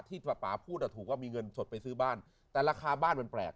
ป่าป่าพูดอ่ะถูกว่ามีเงินสดไปซื้อบ้านแต่ราคาบ้านมันแปลก